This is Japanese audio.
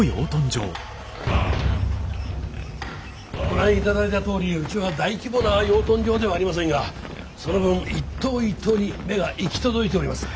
ご覧いただいたとおりうちは大規模な養豚場ではありませんがその分一頭一頭に目が行き届いております。